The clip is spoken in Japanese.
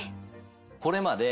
これまで。